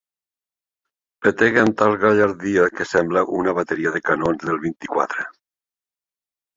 Petege amb tal gallardia que semble una bateria de canons del vint-i-quatre.